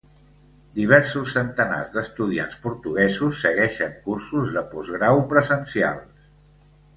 Diversos centenars d'estudiants portuguesos segueixen cursos de postgrau presencials.